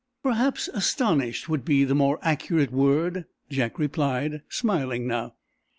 "Perhaps 'astonished' would be the more accurate word," Jack replied, smiling now.